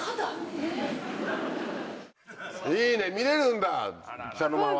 いいね見れるんだお茶の間は。